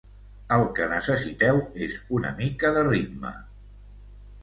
"El que necessiteu és una mica de ritme!"